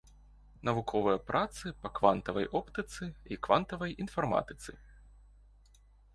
Навуковыя працы па квантавай оптыцы і квантавай інфарматыцы.